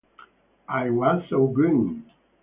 I was so green.